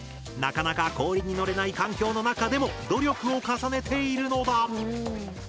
なかなか氷にのれない環境の中でも努力を重ねているのだ。